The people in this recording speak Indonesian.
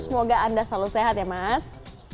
semoga anda selalu sehat ya mas